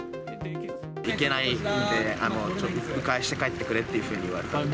行けないんで、ちょっと、う回して帰ってくれっていうふうに言われたんで。